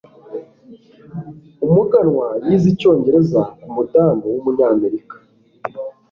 umuganwa yize icyongereza kumudamu wumunyamerika